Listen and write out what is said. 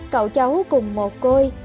cậu cháu cùng một côi